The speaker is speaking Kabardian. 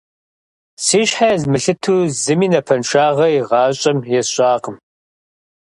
Си щхьэ езмылъыту зыми напэншагъэ игъащӀэм есщӀакъым.